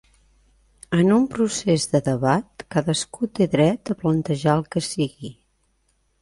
En un procés de debat cadascú té dret a plantejar el que sigui.